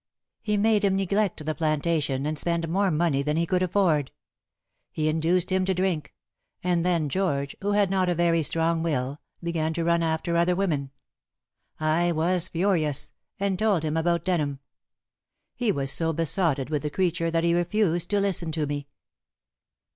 He made him neglect the plantation, and spend more money than he could afford. He induced him to drink, and then George, who had not a very strong will, began to run after other women. I was furious, and told him about Denham. He was so besotted with the creature that he refused to listen to me.